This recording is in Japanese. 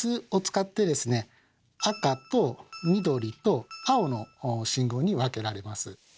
赤と緑と青の信号に分けられます。